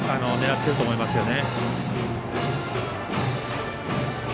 狙っていると思います。